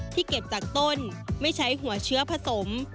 เก็บจากต้นไม่ใช้หัวเชื้อผสม